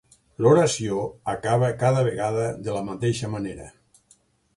L'oració acaba cada vegada de la mateixa manera.